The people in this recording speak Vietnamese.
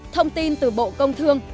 thông tin từ bộ công thương